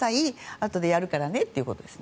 あとでやるからねってことです。